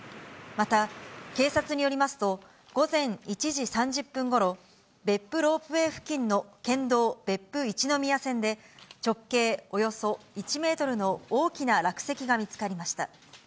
また、警察によりますと、午前１時３０分ごろ、別府ロープウェイ付近の県道別府一の宮線で、直径およそ１メートルの大きな落石が見つかりました。